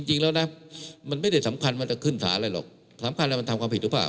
จริงแล้วมันไม่ได้สำคัญที่มีบัญชีจะซ่อนกลับได้